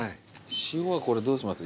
塩はこれどうします？